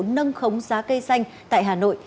nâng khống giá cây xanh tại hà nội